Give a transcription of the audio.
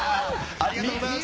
ありがとうございます。